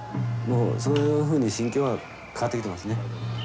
もうそういうふうに心境が変わってきてますね。